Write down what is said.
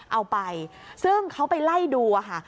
เอาไปซึ่งเขาไปไล่ดูค่ะ